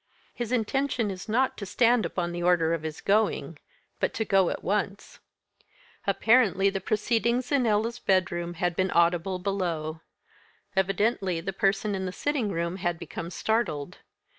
His intention is not to stand upon the order of his going, but to go at once." Apparently the proceedings in Ella's bedroom had been audible below. Evidently the person in the sitting room had become startled.